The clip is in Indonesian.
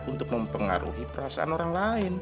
untuk mempengaruhi perasaan orang lain